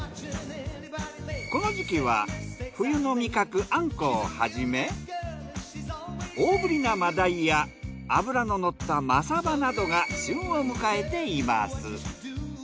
この時期は冬の味覚アンコウをはじめ大ぶりなマダイや脂ののったマサバなどが旬を迎えています。